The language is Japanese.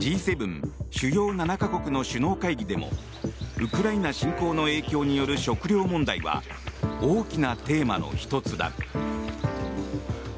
主要７か国の首脳会議でもウクライナ侵攻の影響による食糧問題は大きなテーマの１つだ。